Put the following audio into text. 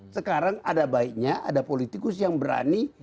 sekarang ada baiknya ada politikus yang berani